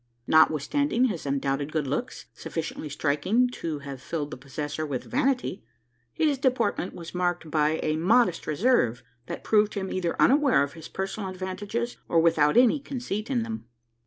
Notwithstanding his undoubted good looks sufficiently striking to have filled the possessor with vanity his deportment was marked by a modest reserve, that proved him either unaware of his personal advantages, or without any conceit in them.